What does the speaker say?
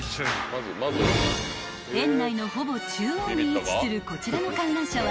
［園内のほぼ中央に位置するこちらの観覧車は］